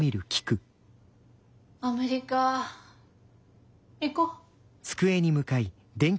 アメリカ行こ。